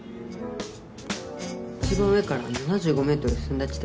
一番上から７５ｍ進んだ地点？